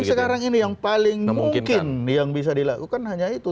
yang paling mungkin yang bisa dilakukan hanya itu